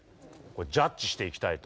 ジャッジしていきたいと。